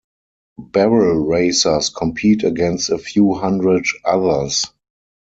Barrel Racers compete against a few hundred others.